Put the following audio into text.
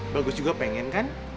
bagus juga pengen kan